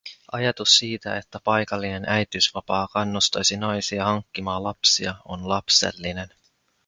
Ajatus siitä, että palkallinen äitiysvapaa kannustaisi naisia hankkimaan lapsia, on lapsellinen.